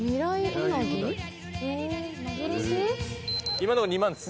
今のとこ２万です。